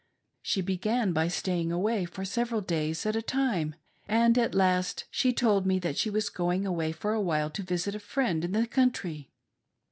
She began by staying away for several days at a time, and at last she told me that she was going away for a while to visit a friend in the country.